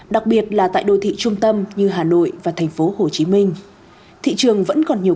đặc biệt là tại đô thị trung tâm như hà nội và thành phố hồ chí minh thị trường vẫn còn nhiều